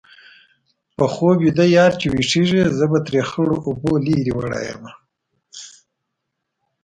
په خوب ویده یار چې ويښېږي-زه به ترې خړو اوبو لرې وړې یمه